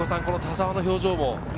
田澤の表情も。